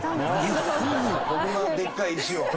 こんなでっかい石を。